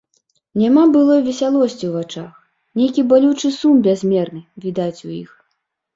Няма былой весялосці ў вачах, нейкі балючы сум бязмерны відаць у іх.